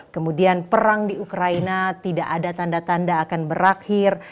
kemudian perang di ukraina tidak ada tanda tanda akan berakhir